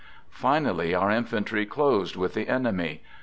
Finally, our infantry closed with the enemy.